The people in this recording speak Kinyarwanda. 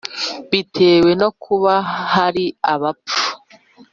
bitewe no kuba hari abapfu,